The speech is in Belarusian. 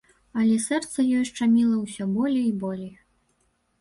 Але сэрца ёй шчаміла ўсё болей і болей.